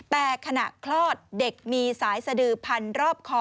แต่ขณะคลอดเด็กมีสายสดือพันรอบคอ